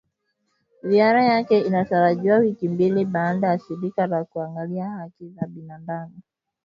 Ziara yake inajiri wiki mbili baada ya shirika la kuangalia haki za binadamu kutoa ripoti ikisema kuwa serikali inatumia vituo vya siri.